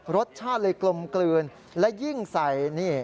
รสชาติเลยกลมกลืนและยิ่งใส่นี่